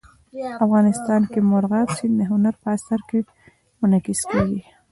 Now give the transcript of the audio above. افغانستان کې مورغاب سیند د هنر په اثار کې منعکس کېږي.